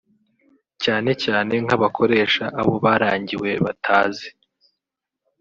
cyane cyane nk’abakoresha abo barangiwe batazi